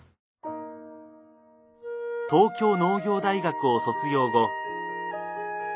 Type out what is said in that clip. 東京農業大学を卒業後。